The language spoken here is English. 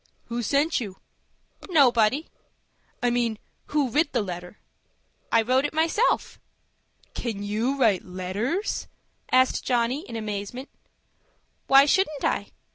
"Who sent you?" "Nobody." "I mean, who writ the letter?" "I wrote it myself." "Can you write letters?" asked Johnny, in amazement. "Why shouldn't I?"